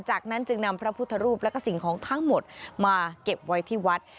จากนั้นจึงนำพระพุทธรูปแล้วก็สิ่งของทั้งหมดมาเก็บไว้ที่วัด